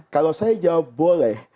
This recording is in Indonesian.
kalau saya jawab boleh